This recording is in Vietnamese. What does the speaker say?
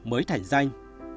mới thành danh